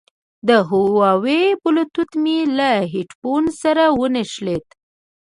د هوواوي بلوتوت مې له هیډفون سره ونښلید.